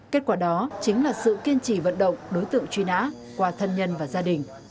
kết quả đó chính là sự kiên trì vận động đối tượng truy nã qua thân nhân và gia đình